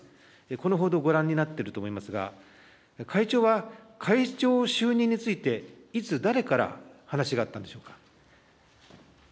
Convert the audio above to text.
この報道、ご覧になっていると思いますが、会長は、会長就任について、いつ誰から話があったんでしょうか。